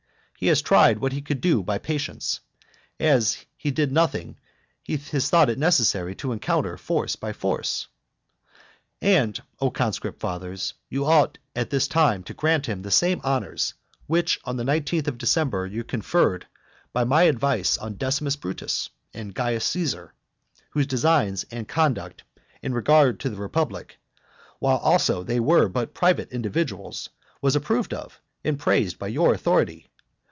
He has tried what he could do by patience, as he did nothing he has thought it necessary to encounter force by force. And, O conscript fathers, you ought at this time to grant him the same honours which on the nineteenth of December you conferred by my advice on Decimus Brutus and Caius Caesar, whose designs and conduct in regard to the republic, while they also were but private individuals, was approved of and praised by your authority.